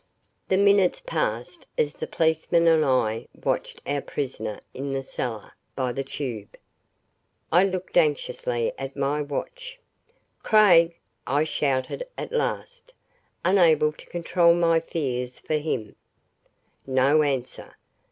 The minutes passed as the policeman and I watched our prisoner in the cellar, by the tube. I looked anxiously at my watch. "Craig!" I shouted at last, unable to control my fears for him. No answer.